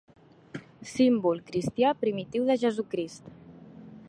Símbol cristià primitiu de Jesucrist.